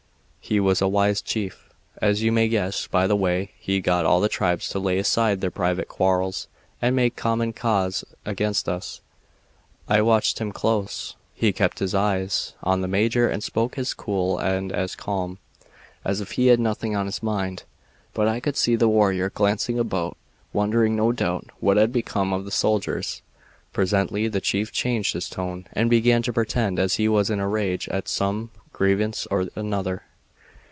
He was a wise chief, as you may guess by the way he got all the tribes to lay aside their private quarrels and make common cause against us. I watched him close. He kept his eyes on the major and spoke as cool and as calm as if he had nothing on his mind; but I could see the warrior glancing about, wondering, no doubt, what had become of the soldiers. Presently the chief changed his tone and began to pretend as he was in a rage at some grievance or other.